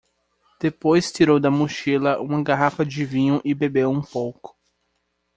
Depois tirou da mochila uma garrafa de vinho e bebeu um pouco.